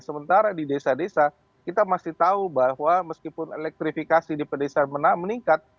sementara di desa desa kita masih tahu bahwa meskipun elektrifikasi di pedesaan meningkat